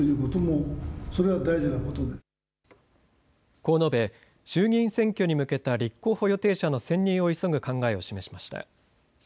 こう述べ、衆議院選挙に向けた立候補予定者の選任を急ぐ考えを示しました。